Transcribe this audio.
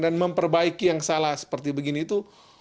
dan memperbaiki yang salah seperti begini itu